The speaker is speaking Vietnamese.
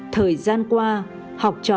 thời gian qua học trò